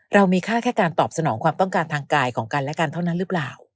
มีค่าแค่การตอบสนองความต้องการทางกายของกันและกันเท่านั้นหรือเปล่า